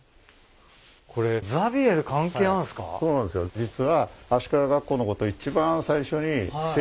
実は。